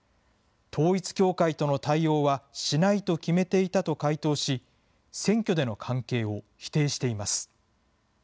統一教会との対応はしないと決めていたと回答し、選挙での関係を否定しています。